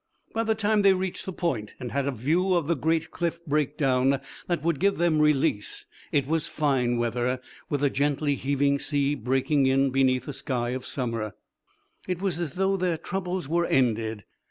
By the time they reached the point and had a view of the great cliff break down that would give them release it was fine weather, with a gently heaving sea breaking in beneath a sky of summer. It was as though their troubles were ended.